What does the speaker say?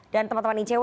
dan teman teman icw